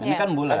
ini kan bulan